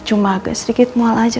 cuma agak sedikit mual aja